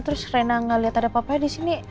terus rena gak liat ada papanya disini